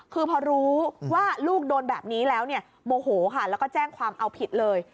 คือพอรู้ว่าลูกโดนแบบนี้แล้วเนี่ยโมโหค่ะแล้วก็แจ้งความเอาผิดเลย